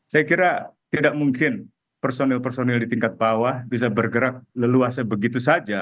saya kira tidak mungkin personil personil di tingkat bawah bisa bergerak leluasa begitu saja